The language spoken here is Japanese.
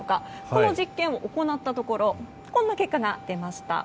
この実験を行ったところこんな結果が出ました。